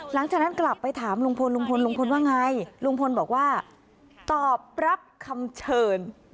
หลังจากนั้นกลับไปถามลุงพลลุงพลว่าไงลุงพลบอกว่าตอบรับคำเชิญ